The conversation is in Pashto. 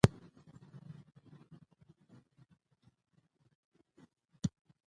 ډېر وخت وشو چې نه ښکارې بيخې ده نادركه.